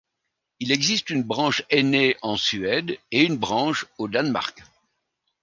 Il existe une branche aînée en Suède et une branche au Danemark.